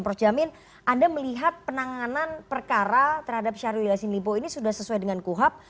prof jamin anda melihat penanganan perkara terhadap syahrul yassin limpo ini sudah sesuai dengan kuhap